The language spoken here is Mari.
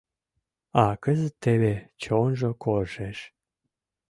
А кызыт теве чонжо коржеш.